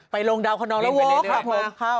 ไปลงดาวขนองละโว้คครับผม